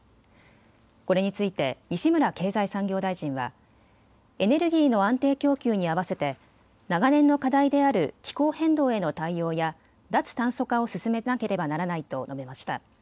これについて西村経済産業大臣は、エネルギーの安定供給に合わせて長年の課題である気候変動への対応や脱炭素化を進めなければならないと述べました。